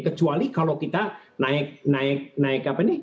kecuali kalau kita naik naik naik apa ini